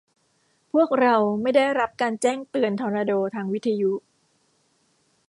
พวกเราไม่ได้รับการแจ้งเตือนทอร์นาโดทางวิทยุ